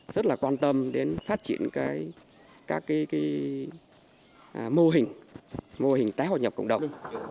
rất là quan tâm đến phát triển các mô hình tái hội nhập cộng đồng